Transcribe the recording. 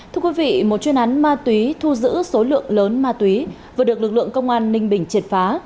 thưa quý vị một chuyên án ma túy thu giữ số lượng lớn ma túy vừa được lực lượng công an ninh bình triệt phá